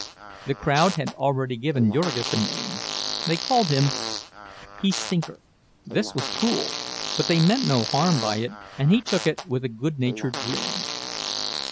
The crowd had already given Jurgis a name—they called him "the stinker." This was cruel, but they meant no harm by it, and he took it with a good natured grin.